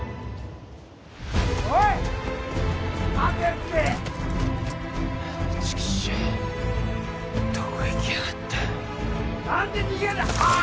おいっ待てってチキショーどこ行きやがった何で逃げんだあっ！